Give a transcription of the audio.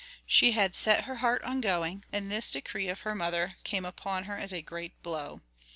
She had set her heart on going, and this decree of her mother came upon her as a great blow.